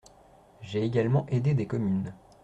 J’ai également aidé des communes.